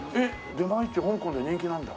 出前一丁香港で人気なんだ。